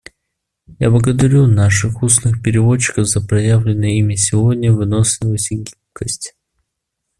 Я благодарю наших устных переводчиков за проявленные ими сегодня выносливость и гибкость.